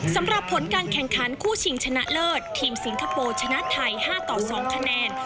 สำหรับผลการแข่งขันคู่ชิงชนะเลิศทีมสิงคโปร์ชนะไทย๕ต่อ๒คะแนน